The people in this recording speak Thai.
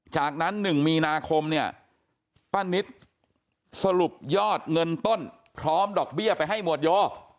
จากนั้น๑มีนาคมเนี่ยป้านิตสรุปยอดเงินต้นพร้อมดอกเบี้ยไปให้หมวดโย